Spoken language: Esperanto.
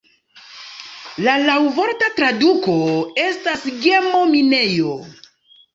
La laŭvorta traduko estas "gemo-minejo".